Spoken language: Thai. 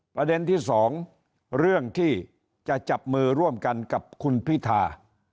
ประเด็นที่สองเรื่องที่จะจับมือร่วมกันกับคุณพิธา